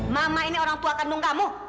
mama ini orang tua kandung kamu